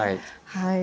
はい。